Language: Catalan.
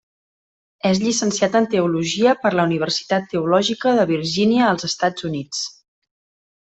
És llicenciat en teologia per la Universitat Teològica de Virgínia als Estats Units.